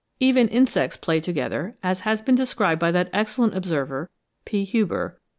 Even insects play together, as has been described by that excellent observer, P. Huber (7.